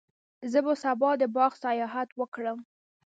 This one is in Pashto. زه به سبا د باغ سیاحت وکړم.